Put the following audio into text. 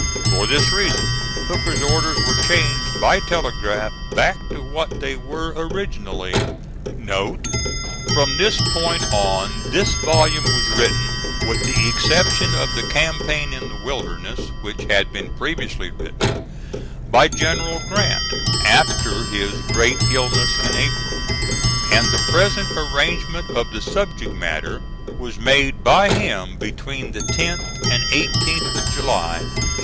For this reason Hooker's orders were changed by telegraph back to what they were originally. NOTE. From this point on this volume was written (with the exception of the campaign in the Wilderness, which had been previously written) by General Grant, after his great illness in April, and the present arrangement of the subject matter was made by him between the 10th and 18th of July, 1885.